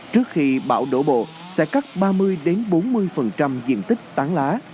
trước khi bão đổ bộ sẽ cắt ba mươi bốn mươi diện tích tán lá